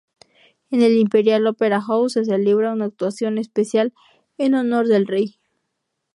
En el Imperial Opera House se celebra una actuación especial en honor del rey.